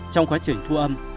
trong quá trình thu âm